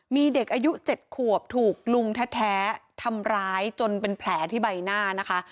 มีเด็กอายุ๗ขวบถูกลุงแท้ทำร้ายจนเป็นแผลที่ใบหน้านะคะ